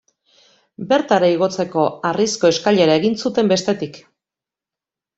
Bertara igotzeko harrizko eskailera egin zuten, bestetik.